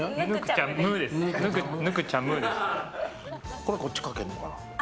これこっちかけるのかな。